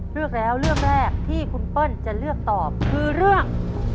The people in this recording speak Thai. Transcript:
เลือกแล้วเรื่องแรกที่คุณเปิ้ลจะเลือกตอบคือเรื่อง